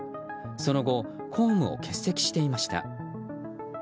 その後、公務を欠席していました。